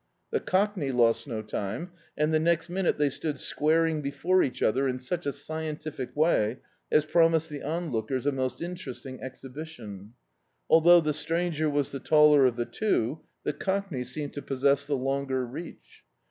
The Cockney lost no time, and the next minute they stood squaring before each other in such a scientific way as promised the onlookers a most in teresting e]tiiibiti(KL Althou^ the stranger was the taller of the two, the Cockney seemed to possess the longer reach.